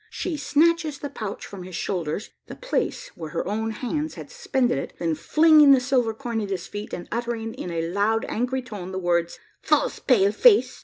She snatches the pouch from his shoulders the place where her own hands had suspended it then flinging the silver coin at his feet, and uttering in a loud angry tone the words, "False pale face!"